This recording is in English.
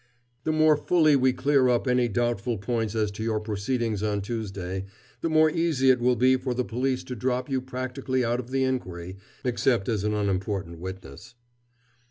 "The more fully we clear up any doubtful points as to your proceedings on Tuesday the more easy it will be for the police to drop you practically out of the inquiry except as an unimportant witness."